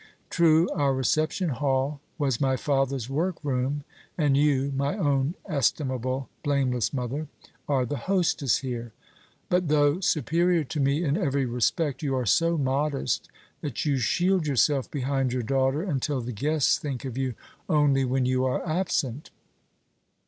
True, our reception hall was my father's work room and you, my own estimable, blameless mother, are the hostess here; but though superior to me in every respect, you are so modest that you shield yourself behind your daughter until the guests think of you only when you are absent.